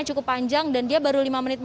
cukup panjang dan dia baru lima menit